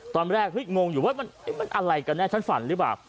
ตอนแรกฮึ้ยงงอยู่เฮ้ยมันอะไรกันเนี่ยฉันฝันหรือเปล่า